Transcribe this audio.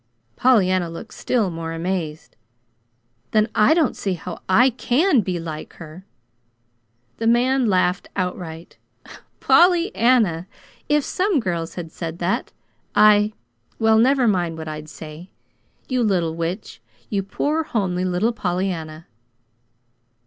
Pollyanna looked still more amazed. "Then I don't see how I CAN be like her!" The man laughed outright. "Pollyanna, if some girls had said that, I well, never mind what I'd say. You little witch! you poor, homely little Pollyanna!"